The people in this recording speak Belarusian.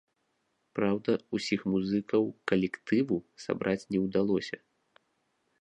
Праўда, усіх музыкаў калектыву сабраць не ўдалося.